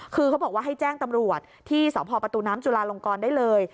คือเขาบอกว่าให้แจ้งตำรวจที่สพประตูน้ำจุลาลงกรได้เลย